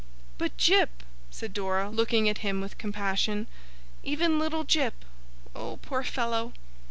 'But Jip,' said Dora, looking at him with compassion, 'even little Jip! Oh, poor fellow!